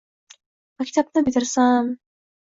Maktabni bitirsam…